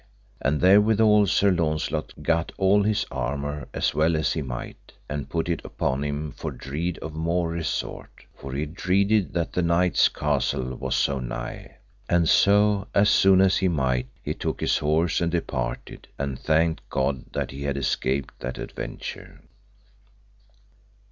And therewithal Sir Launcelot gat all his armour as well as he might, and put it upon him for dread of more resort, for he dreaded that the knight's castle was so nigh. And so, as soon as he might, he took his horse and departed, and thanked God that he had escaped that adventure.